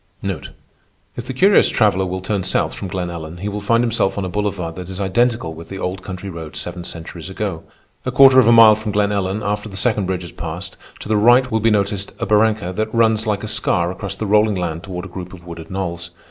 If the curious traveller will turn south from Glen Ellen, he will find himself on a boulevard that is identical with the old country road seven centuries ago. A quarter of a mile from Glen Ellen, after the second bridge is passed, to the right will be noticed a barranca that runs like a scar across the rolling land toward a group of wooded knolls.